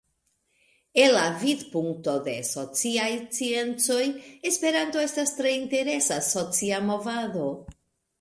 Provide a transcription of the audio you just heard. El la vidpunkto de sociaj sciencoj, Esperanto estas tre interesa socia movado.